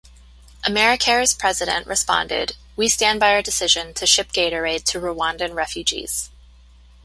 AmeriCares' president responded: We stand by our decision to ship Gatorade to Rwandan refugees.